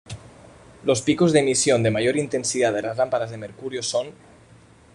Los picos de emisión de mayor intensidad de las lámparas de mercurio son